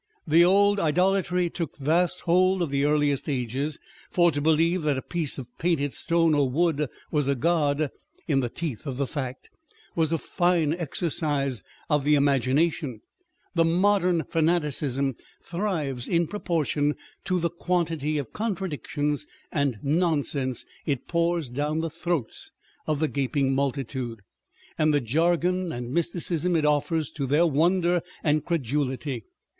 The old idolatry took vast hold of the earliest ages ; for to believe that a piece of painted stone or wood was a god (in the teeth of the fact) was a fine exercise of the imagination ; the modern fana ticism thrives in proportion to the quantity of contradic tions and nonsense it pours down the throats of the gaping multitude, and the jargon and mysticism it offers to their wonder and credulity.